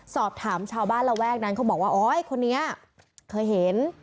สอบถามชาวบ้านระแวกนั้นเขาบอกว่าโอ๊ยคนนี้เคยเห็น